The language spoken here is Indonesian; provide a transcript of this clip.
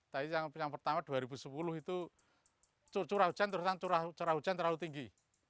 tapi yang pertama dua ribu sepuluh itu curah hujan terlalu tinggi